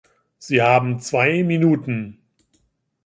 Sie haben zwei Minuten.